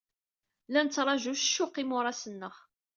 La nettṛaju s ccuq imuras-nneɣ.